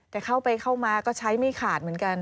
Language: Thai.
แต่เข้าไปเข้ามาก็ใช้ไม่ขาดเหมือนกัน